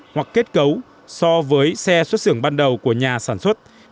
hoặc kết cấu so với xe xuất xưởng ban đầu của nhà sản xuất